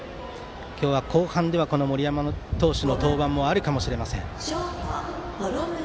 今日、後半では森山投手の登板もあるかもしれません。